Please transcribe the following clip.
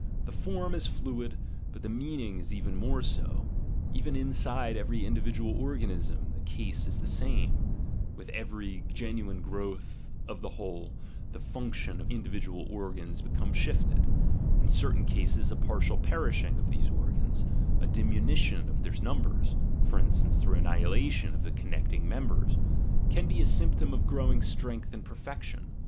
The form is fluid, but the meaning is even more so — even in side every individual organism the case is the same: with every genuine growth of the whole, the "function" of the individual organs becomes shifted, — in certain cases a partial perishing of these organs, a diminution of their numbers (for instance, through annihilation of the con necting members), can be a symptom of growing strength and perfection.